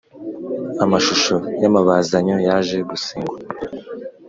amashusho y’amabazanyo yaje gusengwa.